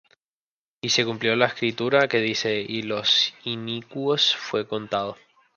Y se cumplió la Escritura, que dice: Y con los inicuos fué contado.